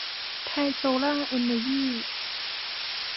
ไทย โซล่าร์ เอ็นเนอร์ยี่